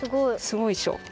すごいっしょ。